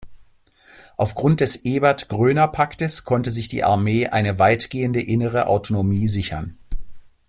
Aufgrund des Ebert-Groener-Paktes konnte sich die Armee eine weitgehende innere Autonomie sichern.